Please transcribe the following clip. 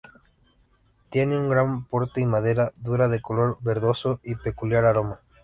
Tiene un gran porte y madera dura, de color verdoso y peculiar aroma.